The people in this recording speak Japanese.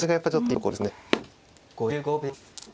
５５秒。